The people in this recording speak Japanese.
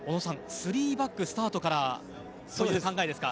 ３バックスタートからという考えですか。